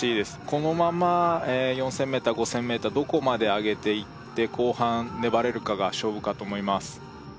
このまま４０００ｍ５０００ｍどこまで上げていって後半粘れるかが勝負かと思います